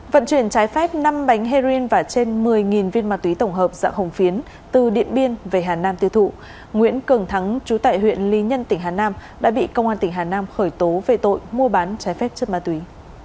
vận chuyển trái phép năm bánh heroin và trên một mươi viên ma túy tổng hợp dạng hồng phiến từ điện biên về hà nam tiêu thụ nguyễn cường thắng chú tại huyện lý nhân tỉnh hà nam đã bị công an tỉnh hà nam khởi tố về tội mua bán trái phép chất ma túy